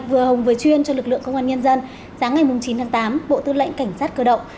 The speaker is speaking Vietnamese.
vừa hồng vừa chuyên cho lực lượng công an nhân dân sáng ngày chín tháng tám bộ tư lệnh cảnh sát cơ động